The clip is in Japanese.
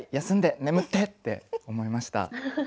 休んで眠って」って思いました。